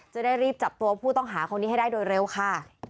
จะได้รีบจับตัวผู้ต้องหาคนนี้ให้ได้โดยเร็วค่ะ